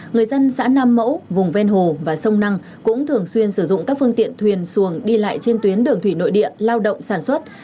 người dân xã nam mẫu vùng ven hồ và sông năng cũng thường xuyên sử dụng các phương tiện thuyền xuồng đi lại trên tuyến đường thủy nội địa lao động sản xuất